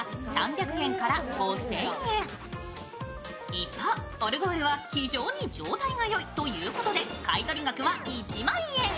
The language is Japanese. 一方、オルゴールは非常に状態がよいということで、買い取り額は１万円。